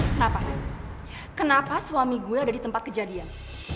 kenapa kenapa suami gue ada di tempat kejadian